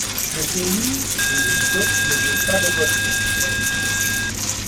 Le génie, et Guizot ne veut pas. de Voltaire.